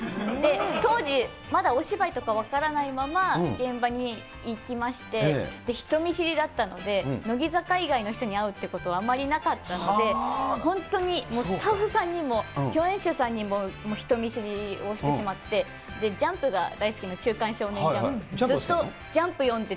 当時、まだお芝居とか分からないまま、現場に行きまして、人見知りだったので、乃木坂以外の人に会うってことはあまりなかったので、本当にスタッフさんにも共演者さんにも、人見知りをしてしまって、ジャンプが大好きな、ジャンプ好きなの？